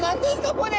これ。